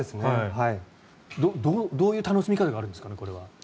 どういう楽しみ方があるんですか？